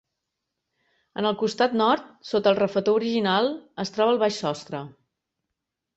En el costat nord, sota el refetor original, es troba el baix sostre.